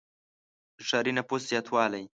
• د ښاري نفوس زیاتوالی.